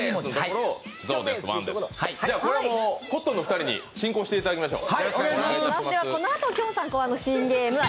これ、コットンのお二人に進行していただきましょう。